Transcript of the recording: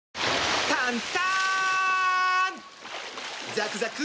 ザクザク！